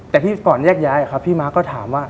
แต่ที่ก่อนแยกย้ายครับพี่ม้าก็ถามว่า